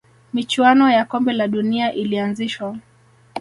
michuano ya kombe la dunia ilianzishwa